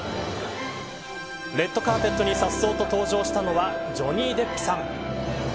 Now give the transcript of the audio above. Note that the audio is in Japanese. レッドカーペットにさっそうと登場したのはジョニー・デップさん。